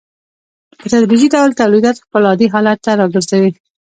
په تدریجي ډول تولیدات خپل عادي حالت ته راګرځي